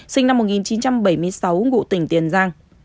sinh năm một nghìn chín trăm bảy mươi sáu ngụ tỉnh tiền giang